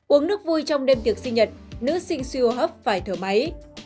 uống nước vui trong đêm tiệc sinh nhật nữ sinh siêu hấp phải thở máy